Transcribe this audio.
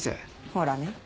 ほらね。